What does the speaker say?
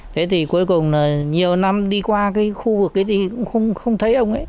thế thì cuối cùng là nhiều năm đi qua cái khu vực ấy đi cũng không thấy ông ấy